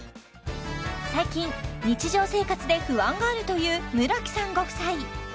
最近日常生活で不安があるという村木さんご夫妻